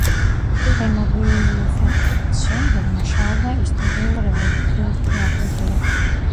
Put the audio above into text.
დემობილიზაციის შემდეგ მუშაობდა ისტორიულ-რევოლუციური თეატრის დირექტორად.